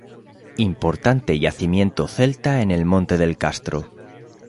Importante yacimiento celta en el monte del castro.